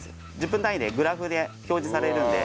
１０分単位でグラフで表示されるんで。